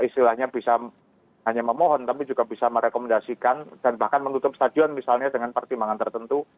istilahnya bisa hanya memohon tapi juga bisa merekomendasikan dan bahkan menutup stadion misalnya dengan pertimbangan tertentu